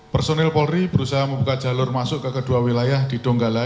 personil polri berusaha membuka jalur masuk ke kedua wilayah di donggala